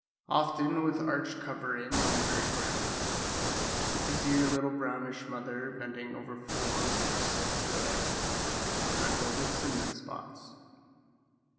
Often with arched covering, on the very ground, with the dear little brownish mother bending over four or six white eggs, freckled with cinnamon spots.